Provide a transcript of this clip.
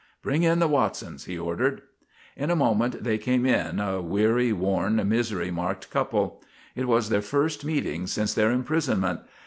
"Bring in the Watsons," he ordered. In a moment they came in, a weary, worn, misery marked couple. It was their first meeting since their imprisonment.